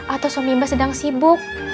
atau suami mbak sedang sibuk